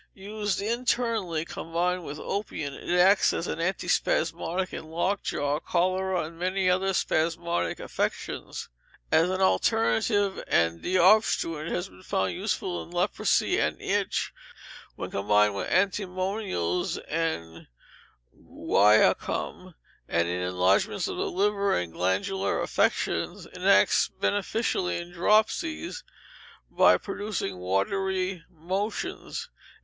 Used internally, combined with opium, it acts as an antispasmodic in locked jaw, cholera, and many other spasmodic affections. As an alterative and deobstruent, it has been found useful in leprosy and itch, when combined with antimonials and guaiacum, and in enlargement of the liver and glandular affections. It acts beneficially in dropsies, by producing watery motions.